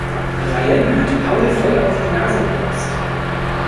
Rayen hat Paul voll auf die Nase geboxt.